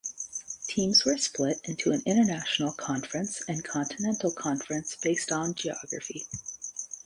Teams were split into an 'International Conference' and 'Continental Conference' based on geography.